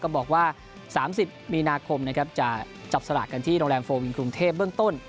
บอกว่า๓๐มีนาคมนะครับจะจับสลากกันที่โรงแรมโฟวินกรุงเทพเบื้องต้น